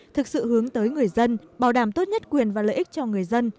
thực sự hướng tới người dân bảo đảm tốt nhất quyền và lợi ích cho người dân